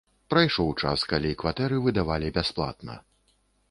Прайшоў час, калі кватэры выдавалі бясплатна.